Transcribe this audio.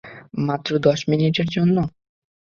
মাত্র দশ মিনিটের জন্য।